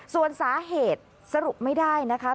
ส่วนสาเหตุสรุปไม่ได้นะคะ